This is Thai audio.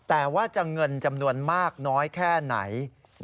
แต่ว่าจะเงินจำนวนมากน้อยแค่ไหน